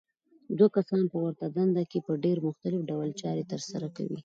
دوه کسان په ورته دنده کې په ډېر مختلف ډول چارې ترسره کوي.